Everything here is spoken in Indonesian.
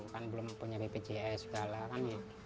kan belum punya bpjs segala kan